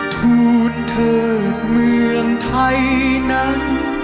ทูตเถิดเมืองไทยนั้น